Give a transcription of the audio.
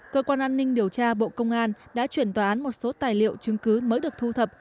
cơ quan an ninh điều tra bộ công an đã chuyển tòa án một số tài liệu chứng cứ mới được thu thập